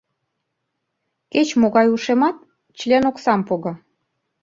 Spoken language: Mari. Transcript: Кеч-могай ушемат член оксам пога.